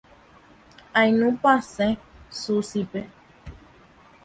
Ainupãse Suzype.